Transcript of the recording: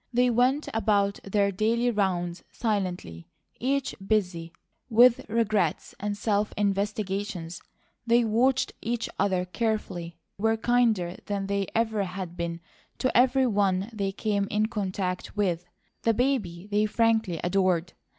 They went about their daily rounds silently, each busy with regrets and self investigations. They watched each other carefully, were kinder than they ever had been to everyone they came in contact with; the baby they frankly adored.